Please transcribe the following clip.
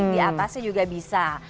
diatasnya juga bisa